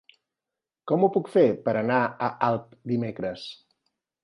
Com ho puc fer per anar a Alp dimecres?